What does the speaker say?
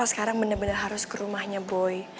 reva sekarang bener bener harus ke rumahnya boy